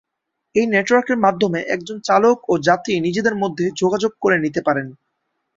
এই নেটওয়ার্কের মাধ্যমে একজন চালক ও যাত্রী নিজেদের মধ্যে যোগাযোগ করে নিতে পারেন।